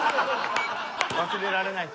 忘れられない事？